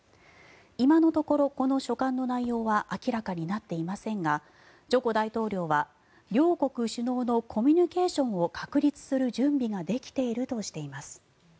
今のところ、この書簡の内容は明らかになっていませんがジョコ大統領は両国首脳のコミュニケーションを確立する準備ができているとしています。